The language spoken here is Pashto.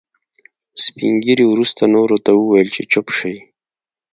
سپين ږيري وروسته نورو ته وويل چې چوپ شئ.